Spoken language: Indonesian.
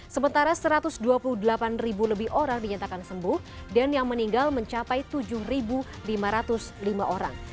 sementara satu ratus dua puluh delapan lebih orang dinyatakan sembuh dan yang meninggal mencapai tujuh lima ratus lima orang